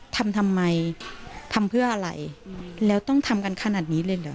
ทำทำไมทำเพื่ออะไรแล้วต้องทำกันขนาดนี้เลยเหรอ